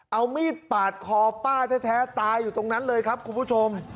เอามีดปาดคอป้าแท้ตายอยู่ตรงนั้นเลยครับคุณผู้ชม